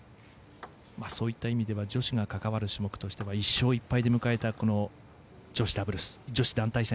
そういった意味では女子が関わる種目としては１勝１敗で迎えた女子団体戦。